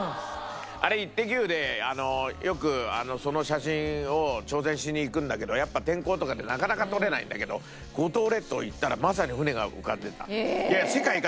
あれ『イッテＱ！』でよくその写真を挑戦しに行くんだけどやっぱ天候とかでなかなか撮れないんだけど五島列島行ったらまさに船が浮かんでた。